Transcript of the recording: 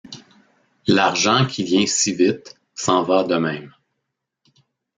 L’argent qui vient si vite s’en va de même.